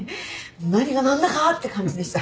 何が何だかって感じでした。